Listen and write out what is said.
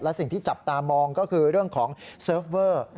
และสิ่งที่จับตามองก็คือเรื่องของเซิร์ฟเวอร์